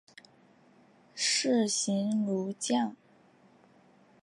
士行如将。